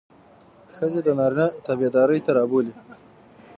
ښځې د نارينه تابعدارۍ ته رابولي.